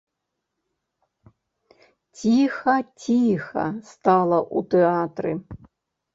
Ціха, ціха стала ў тэатры.